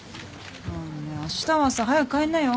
あしたはさ早く帰りなよ。